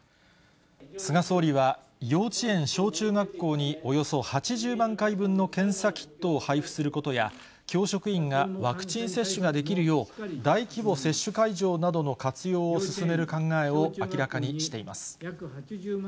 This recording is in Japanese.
菅総理は、幼稚園、小中学校におよそ８０万回分の検査キットを配布することや、教職員がワクチン接種ができるよう、大規模接種会場などの活用を進める考えを明らかにしています。